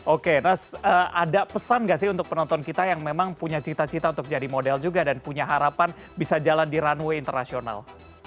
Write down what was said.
oke nas ada pesan gak sih untuk penonton kita yang memang punya cita cita untuk jadi model juga dan punya harapan bisa jalan di runway international